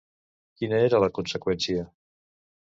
Quina era la conseqüència?